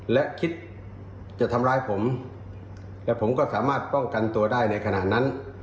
และคิดจะทำร้ายผมและผมก็สามารถป้องกันตัวได้ในขณะนั้น